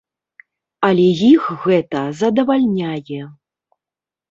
Але іх гэта задавальняе.